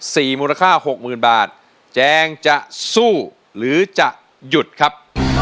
สู้หรือหยุดครับ